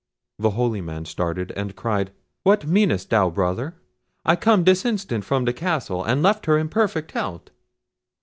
The holy man started, and cried, "What meanest thou, brother? I come this instant from the castle, and left her in perfect health."